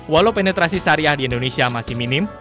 walau penetrasi syariah di indonesia masih minim